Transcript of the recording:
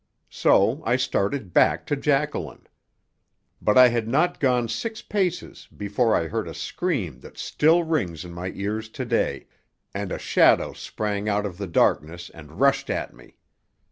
So I started back to Jacqueline. But I had not gone six paces before I heard a scream that still rings in my ears to day, and a shadow sprang out of the darkness and rushed at me.